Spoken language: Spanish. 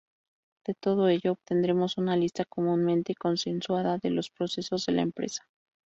De todo ello obtendremos una lista comúnmente consensuada de los procesos de la empresa.